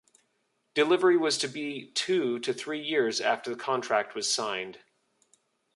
Delivery was to be two to three years after the contract was signed.